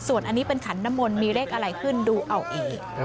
ส่วนอันนี้เป็นขันน้ำมนต์มีเลขอะไรขึ้นดูเอาเอง